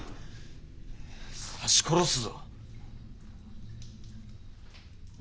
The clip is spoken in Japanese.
刺し殺すぞ。